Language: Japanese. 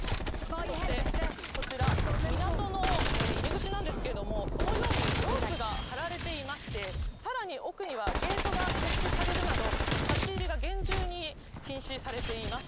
そしてこちら、港の入り口なんですけれども、このようにロープが張られていまして、さらに奥にはゲートが設置されるなど、立ち入りが厳重に禁止されています。